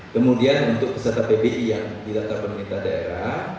kemudian untuk peserta bpi yang di daftar pemerintah daerah